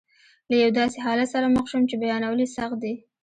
له یو داسې حالت سره مخ شوم چې بیانول یې سخت دي.